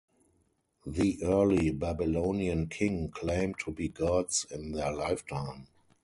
The early Babylonian king claimed to be gods in their lifetime.